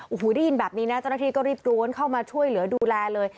โอ้โหได้ยินแบบนี้นะเจ้าหน้าที่ก็รีบร้วนเข้ามาช่วยเหลือดูแลเลย